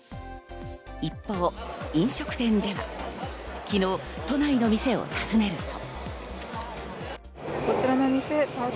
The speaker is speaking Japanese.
一方、飲食店では、昨日都内の店を訪ねると。